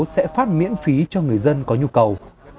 sẽ phát miễn phí cho người dân có nhu cầu